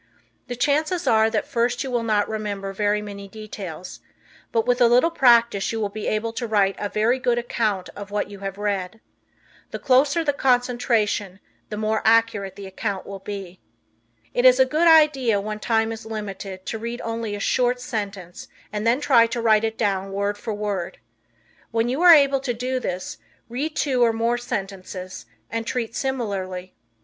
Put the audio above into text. The chances are that at first you will not remember very many details, but with a little practice you will be able to write a very good account of what you have read. The closer the concentration the more accurate the account will be. It is a good idea when time is limited to read only a short sentence and then try to write it down word for word. When you are able to do this, read two or more sentences and treat similarly.